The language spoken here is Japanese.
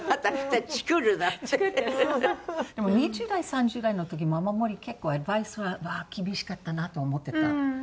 でも２０代３０代の時ママモリ結構厳しかったなと思っていた。